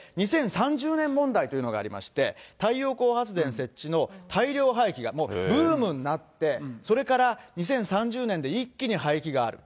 ２０３０年問題というのがありまして、太陽光発電設置の大量廃棄がもうブームになって、それから２０３０年で一気に廃棄がある。